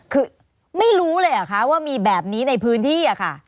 คือไม่รู้เลยเหรอคะว่ามีแบบนี้ในพื้นที่อะค่ะ